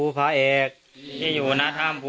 ข้าพเจ้านางสาวสุภัณฑ์หลาโภ